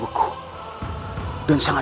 rayus rayus sensa pergi